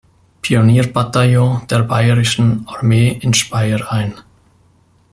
Pionier-Bataillon der Bayerischen Armee in Speyer ein.